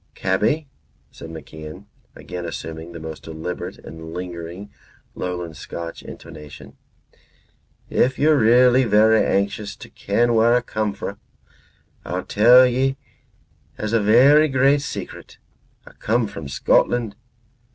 "Cabby," said MacIan, again assuming the most deliberate and lingering lowland Scotch intonation, "if ye're really verra anxious to ken whar a' come fra', I'll tell ye as a verra great secret. A' come from Scotland.